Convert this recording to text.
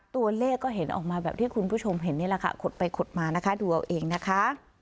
ตัวเลขก็เห็นออกมาแบบที่คุณผู้ชมเห็นนี่แหละค่ะขดไปขดมานะคะดูเอาเองนะคะ